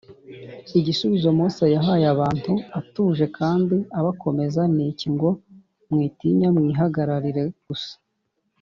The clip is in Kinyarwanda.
igisubizo mose yahaye abantu atuje kandi abakomeza ni iki ngo: “mwitinya, mwihagararire gusa